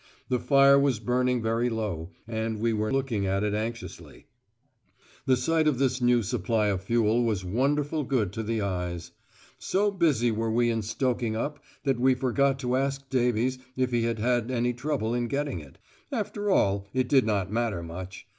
The fire was burning very low, and we were looking at it anxiously. The sight of this new supply of fuel was wonderful good to the eyes. So busy were we in stoking up, that we forgot to ask Davies if he had had any trouble in getting it. After all, it did not matter much.